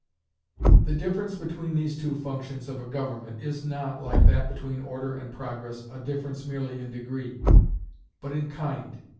The difference between these two functions of a government is not, like that between Order and Progress, a difference merely in degree, but in kind.